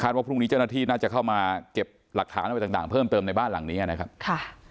ว่าพรุ่งนี้เจ้าหน้าที่น่าจะเข้ามาเก็บหลักฐานอะไรต่างเพิ่มเติมในบ้านหลังนี้นะครับค่ะ